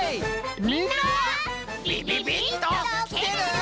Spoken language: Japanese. みんなビビビッときてる？